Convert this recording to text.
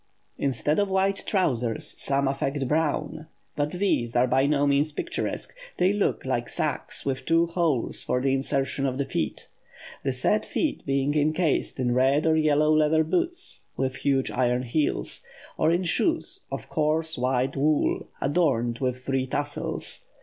Instead of white trousers some affect brown, but these are by no means picturesque; they look like sacks with two holes for the insertion of the feet the said feet being encased in red or yellow leather boots, with huge iron heels; or in shoes of coarse white wool, adorned with three tassels.